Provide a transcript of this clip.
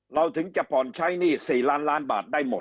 เราถึงจะผ่อนใช้หนี้๔ล้านล้านบาทได้หมด